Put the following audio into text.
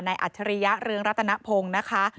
อัจฉริยะเรืองรัตนพงศ์นะคะ